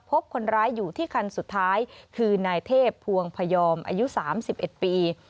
พบคนร้ายอยู่ที่คันสุดท้ายคือนายเทพภวงพยอมอายุ๓๑ปี